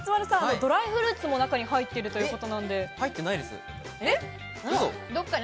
ドライフルーツも入っているということなんですが。